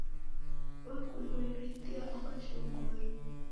Wakunua irindia, oka shongolo.